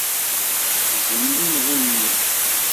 Ddzen imɣi-nni.